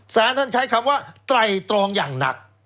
สารท่านใช้คำว่าไตรตรองอย่างหนัก